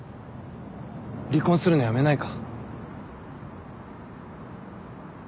離婚するのやめないか？